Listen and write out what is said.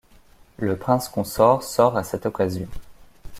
Le prince consort sort à cette occasion